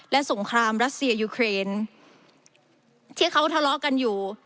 และสงครามรัสเซียยูเครนที่เขาทะเลาะกันอยู่